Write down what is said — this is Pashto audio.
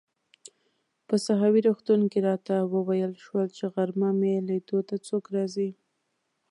په ساحوي روغتون کې راته وویل شول چي غرمه مې لیدو ته څوک راځي.